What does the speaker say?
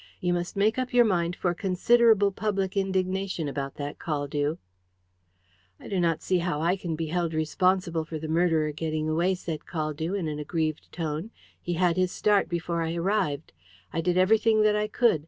You must make up your mind for considerable public indignation about that, Caldew." "I do not see how I can be held responsible for the murderer getting away," said Caldew, in an aggrieved tone. "He had his start before I arrived. I did everything that I could.